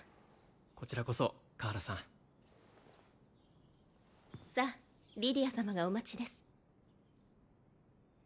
こちらこそカーラさんさあリディア様がお待ちです